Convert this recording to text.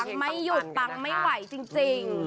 ไม่หยุดปังไม่ไหวจริง